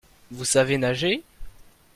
Vous savez nager ?